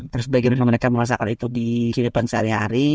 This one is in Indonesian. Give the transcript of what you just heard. terus bagaimana mereka merasakan itu di kehidupan sehari hari